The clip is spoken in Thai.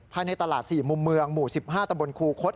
ภายในตลาด๔มุมเมืองหมู่๑๕ตำบลครูคศ